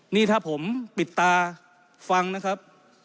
นี่ถ้าผมปิดตาฟังนะครับ